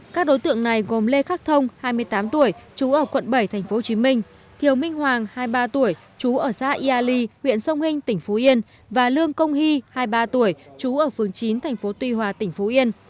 các đối tượng này gồm lê khắc thông hai mươi tám tuổi trú ở quận bảy tp hcm thiều minh hoàng hai mươi ba tuổi chú ở xã ya ly huyện sông hinh tỉnh phú yên và lương công hy hai mươi ba tuổi trú ở phường chín tp tuy hòa tỉnh phú yên